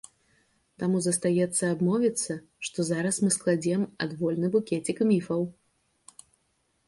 Таму застаецца абмовіцца, што зараз мы складзем адвольны букецік міфаў.